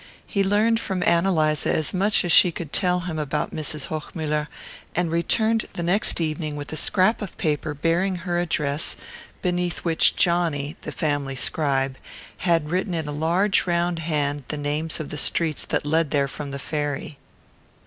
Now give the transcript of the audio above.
He learned from Ann Eliza as much as she could tell him about Mrs. Hochmuller and returned the next evening with a scrap of paper bearing her address, beneath which Johnny (the family scribe) had written in a large round hand the names of the streets that led there from the ferry.